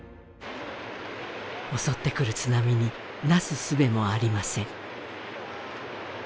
襲ってくる津波になすすべもありません